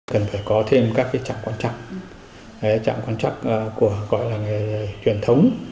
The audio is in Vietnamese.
cần phải có thêm các cái trạng quan trắc trạng quan trắc của gọi là nghề truyền thống